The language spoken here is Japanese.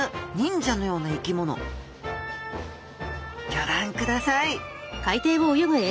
ギョ覧ください